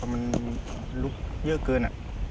มันรู้เยอะเกิน